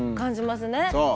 そう。